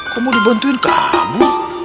kok mau dibantuin kamu